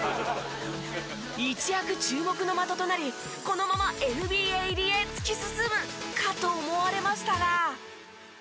一躍注目の的となりこのままＮＢＡ入りへ突き進むかと思われましたが。